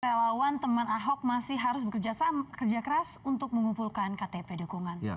relawan teman ahok masih harus bekerja keras untuk mengumpulkan ktp dukungan